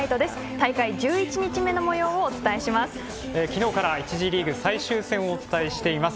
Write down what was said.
大会１１日目のもようを昨日から１次リーグ最終戦をお伝えしています。